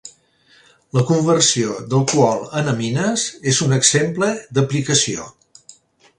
La conversió d'alcohol en amines és un exemple d'aplicació.